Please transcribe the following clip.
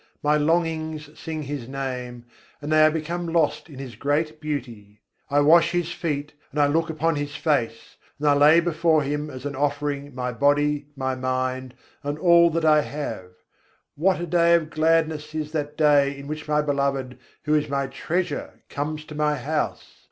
My longings sing His Name, and they are become lost in His great beauty: I wash His feet, and I look upon His Face; and I lay before Him as an offering my body, my mind, and all that I have. What a day of gladness is that day in which my Beloved, who is my treasure, comes to my house!